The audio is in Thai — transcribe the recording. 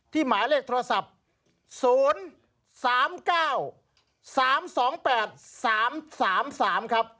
หมายเลขโทรศัพท์๐๓๙๓๒๘๓๓ครับ